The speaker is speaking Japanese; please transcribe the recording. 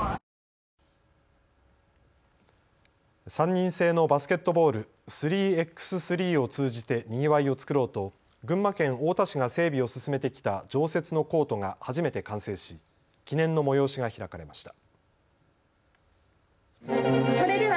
３人制のバスケットボール、３×３を通じてにぎわいを作ろうと群馬県太田市が整備を進めてきた常設のコートが初めて完成し記念の催しが開かれました。